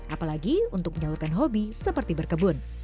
apalagi untuk menyalurkan hobi seperti berkebun